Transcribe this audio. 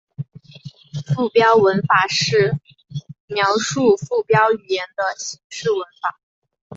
附标文法是描述附标语言的形式文法。